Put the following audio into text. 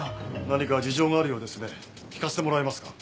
何か事情があるようですね聞かせてもらえますか？